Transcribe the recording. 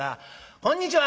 「こんにちは！